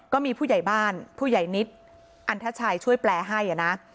ก็มีผู้ใหญ่บ้านผู้ใหญ่นิดอันทชัยช่วยแปลให้นะ